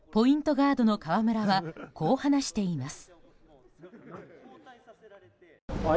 ガードの河村はこう話しています。